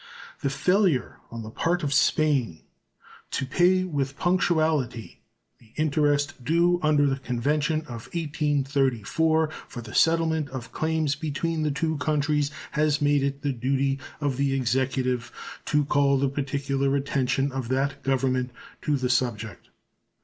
The failure on the part of Spain to pay with punctuality the interest due under the convention of 1834 for the settlement of claims between the two countries has made it the duty of the Executive to call the particular attention of that Government to the subject.